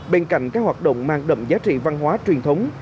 bên cạnh các hoạt động mang đậm giá trị văn hóa truyền thống